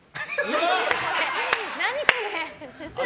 何これ。